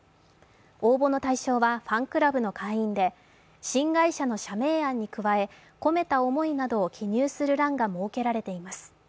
応募の対象はファンクラブの会員で新会社の社名案に加え、込めた思いなどを記入する欄が設けられています。